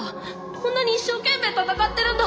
こんなに一生懸命戦ってるんだ。